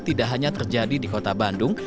tidak hanya terjadi di kota bandung